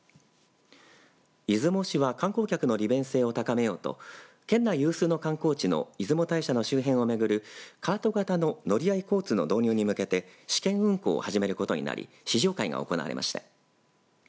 出雲市は観光客の利便性を高めようと県内有数の観光地の出雲大社の周辺を巡るカート型の乗り合い交通の導入に向けて試験運行を始めることになり試乗会が行われました。